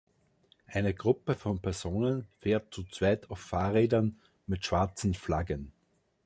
Eine Gruppe von Personen fährt zu zweit auf Fahrrädern mit schwarzen Flaggen.